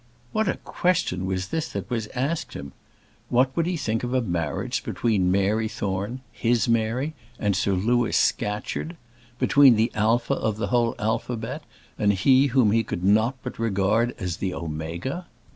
What a question was this that was asked him! What would he think of a marriage between Mary Thorne his Mary and Sir Louis Scatcherd? Between the alpha of the whole alphabet, and him whom he could not but regard as the omega!